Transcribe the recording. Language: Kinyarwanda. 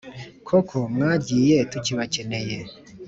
Koko mwagiye tukibakeneye